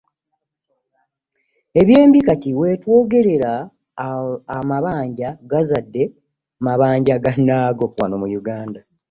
Ebyembi kati wetwogerera amabanja gazadde mabanja gannaago.